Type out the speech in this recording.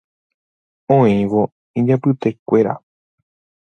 Oĩvo ijapytekuéra